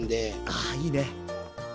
あいいね。